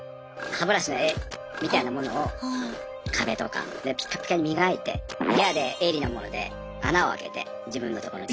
歯ブラシの柄みたいなものを壁とかでぴかぴかに磨いて部屋で鋭利なもので穴を開けて自分のところに。